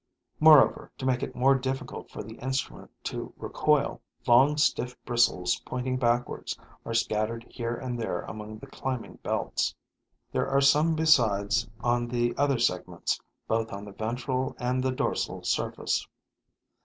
Moreover, to make it more difficult for the instrument to recoil, long, stiff bristles, pointing backwards, are scattered here and there among the climbing belts. There are some besides on the other segments, both on the ventral and the dorsal surface.